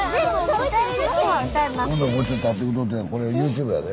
これＹｏｕＴｕｂｅやで。